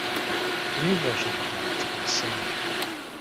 The new version of the format was called Sing!